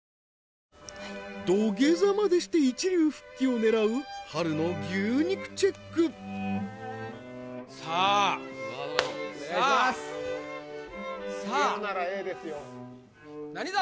土下座までして一流復帰を狙う波瑠の牛肉チェックさあさあ消えるならＡですよ